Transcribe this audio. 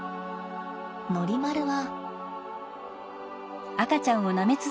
ノリマルは。